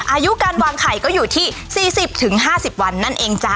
อายุการวางไข่ก็อยู่ที่๔๐๕๐วันนั่นเองจ๊ะ